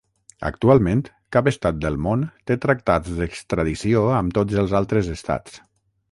Actualment, cap estat del món té tractats d'extradició amb tots els altres estats.